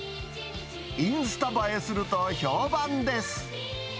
インスタ映えすると評判です。